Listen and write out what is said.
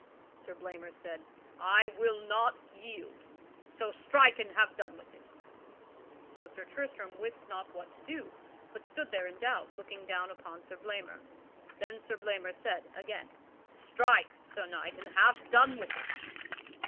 Sir Blamor said, "I will not yield, so strike and have done with it." So Sir Tristram wist not what to do, but stood there in doubt looking down upon Sir Blamor. Then Sir Blamor said, again: "Strike, Sir Knight, and have done with it."